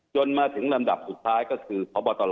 จนมาถึงลำดับสุดท้ายก็คือพบตร